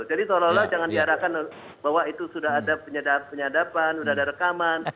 jadi tolong tolong jangan diarahkan bahwa itu sudah ada penyadapan sudah ada rekaman